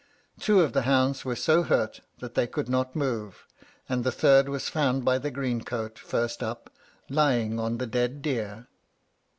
Two of the hounds were so hurt that they could not move, and the third was found by the greencoat first up, lying on the dead deer."